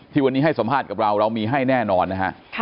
วันนี้ให้สัมภาษณ์กับเราเรามีให้แน่นอนนะฮะ